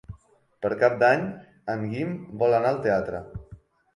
Per Cap d'Any en Guim vol anar al teatre.